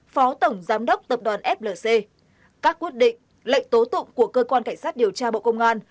phó tổng giám đốc tập đoàn flc các quyết định lệnh tố tụng của cơ quan cảnh sát điều tra bộ công an